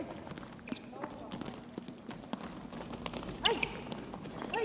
สุดท้ายสุดท้ายสุดท้าย